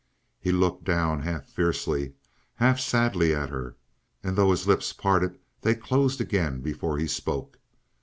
He looked down half fiercely, half sadly at her. And though his lips parted they closed again before he spoke.